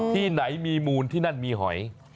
ที่ไหนมีมูลที่นั่นมีหอย